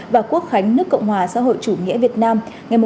và quốc khánh nước cộng hòa xã hội chủ nghĩa việt nam